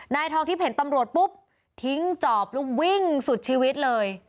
นายทองทิพย์เห็นตำรวจปุ๊บทิ้งจอบแล้ววิ่งสุดชีวิตเลย